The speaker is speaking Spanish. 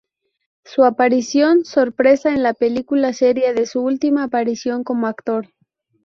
Su aparición sorpresa en la película sería su ultima aparición como actor.